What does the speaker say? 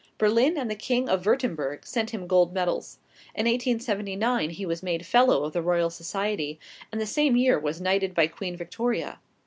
Berlin and the King of Wurtemburg sent him gold medals. In 1879 he was made Fellow of the Royal Society, and the same year was knighted by Queen Victoria.